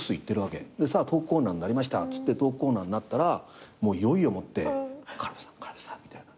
さあトークコーナーになりましたっつってトークコーナーになったらいよいよもって「軽部さん軽部さん」みたいな。